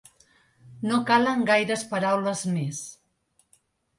No calen gaires paraules més.